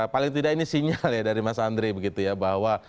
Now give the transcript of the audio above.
paling tidak ini sinyal ya dari mas andre begitu ya bahwa